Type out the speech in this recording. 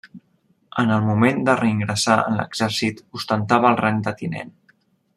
En el moment de reingressar en l'exèrcit ostentava el rang de tinent.